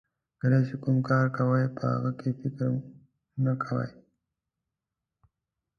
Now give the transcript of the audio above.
کله چې کوم کار کوئ په هغه فکر نه کوئ.